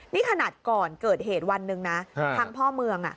นี่ขนาดก่อนเกิดเหตุวันหนึ่งนะทางพ่อเมือง